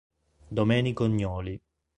Domenico Gnoli